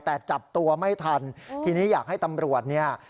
แต่จับตัวไม่ทันทีนี้อยากให้ตำรวจเนี่ย